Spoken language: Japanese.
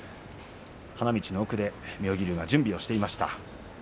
花道の奥で妙義龍が準備をしていました。